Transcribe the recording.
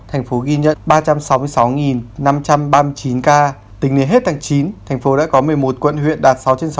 thành phố ghi nhận ba trăm sáu mươi sáu năm trăm ba mươi chín ca tính đến hết tháng chín thành phố đã có một mươi một quận huyện đạt sáu trên sáu mươi